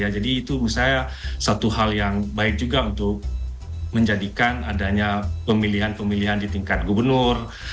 jadi itu menurut saya satu hal yang baik juga untuk menjadikan adanya pemilihan pemilihan di tingkat gubernur